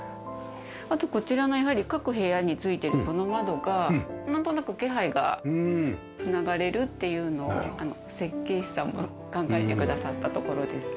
あとこちらのやはり各部屋についてるこの窓がなんとなく気配が流れるっていうのを設計士さんは考えてくださったところです。